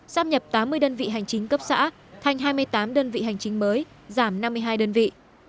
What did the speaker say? sắp nhập tám mươi đơn vị hành chính cấp xã thành hai mươi tám đơn vị hành chính mới giảm năm mươi hai đơn vị